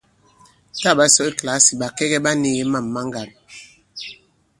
Tǎ ɓa sɔ i kìlasì, ɓàkɛŋɛ ɓa nīgī mâm ma ŋgǎn.